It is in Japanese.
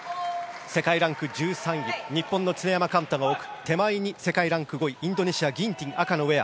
世界ランク１３位日本の常山幹太が奥手前に世界ランク５位インドネシア、ギンティン赤のウェア。